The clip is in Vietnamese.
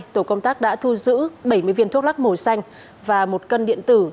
tổ công tác đã thu giữ bảy mươi viên thuốc lắc màu xanh và một cân điện tử